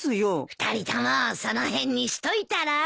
二人ともその辺にしといたら？